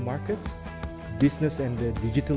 bisnis dan ekonomi digital